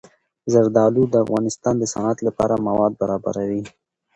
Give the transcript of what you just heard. زردالو د افغانستان د صنعت لپاره مواد برابروي.